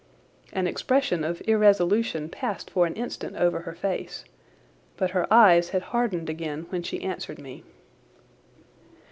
An expression of irresolution passed for an instant over her face, but her eyes had hardened again when she answered me.